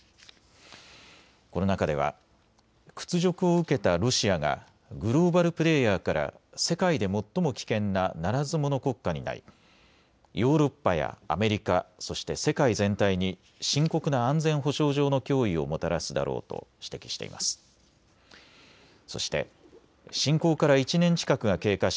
この中では屈辱を受けたロシアがグローバルプレーヤーから世界で最も危険なならず者国家になりヨーロッパやアメリカ、そして世界全体に深刻な安全保障上の脅威をもたらすだろうと指摘しています。